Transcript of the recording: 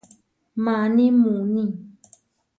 Maní muuní.